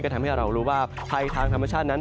ทำให้เรารู้ว่าภัยทางธรรมชาตินั้น